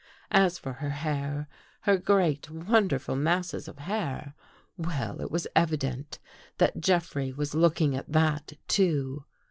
As for her hair — her great, wonder ful masses of hair — well, it was evident that Jeff rey was looking at that, too.